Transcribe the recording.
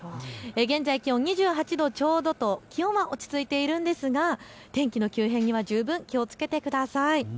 現在、気温２８度ちょうどと気温は落ち着いているんですが天気の急変には十分気をつけてください。